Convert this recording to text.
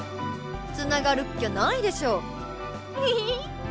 つながるっきゃないでしょ！にひひっ。